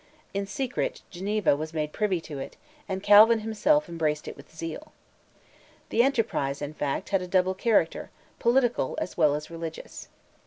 In secret, Geneva was made privy to it, and Calvin himself embraced it with zeal. The enterprise, in fact, had a double character, political as well as religious.